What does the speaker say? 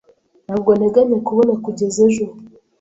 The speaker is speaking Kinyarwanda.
Ntabwo nteganya kubona kugeza ejo